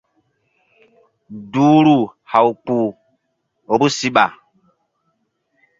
Duhru haw ndɔk kpuh vbu siɓa.